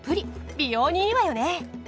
美容にいいわよね。